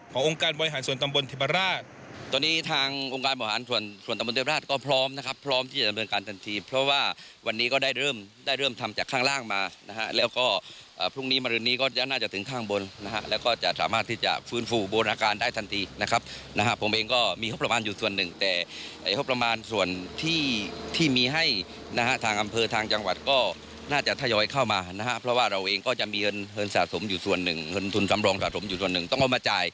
ขององค์การบริหารส่วนตำบลเทพราช